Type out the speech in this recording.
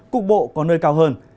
cục bộ có nơi cao hơn